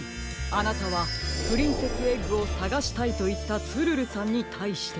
あなたは「プリンセスエッグをさがしたい」といったツルルさんにたいして。